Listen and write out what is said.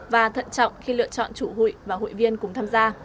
và thận trọng khi lựa chọn chủ hụi và hụi viên cùng tham gia